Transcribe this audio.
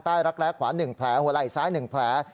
รักแร้ขวา๑แผลหัวไหล่ซ้าย๑แผล